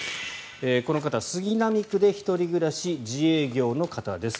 この方は杉並区で１人暮らし自営業の方です。